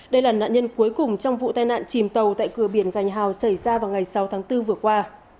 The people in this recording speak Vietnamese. đây là nạn nhân cuối cùng trong vụ tai nạn chìm tàu tại cửa biển gành hào xảy ra vào ngày sáu tháng bốn vừa qua